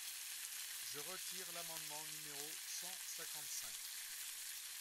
Je retire l’amendement numéro cent cinquante-cinq.